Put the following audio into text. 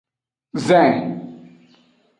Zin.